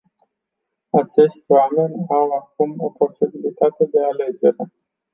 Acești oameni au acum o posibilitate de alegere.